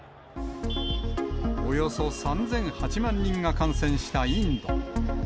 およそ３００８万人が感染したインド。